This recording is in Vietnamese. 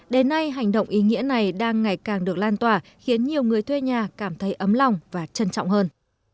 đến nay hành động ý nghĩa này đang ngày càng được lan tỏa khiến nhiều người thuê nhà cảm thấy ấm lòng và trân trọng hơn